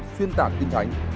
xuyên tạc tuyên thánh